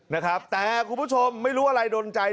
นะครับแต่คุณผู้ชมไม่รู้อะไรดนใจ